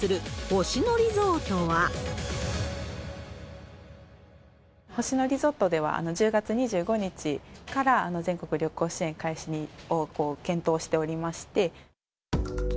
星野リゾートでは、１０月２５日から全国旅行支援開始を検討しておりまして。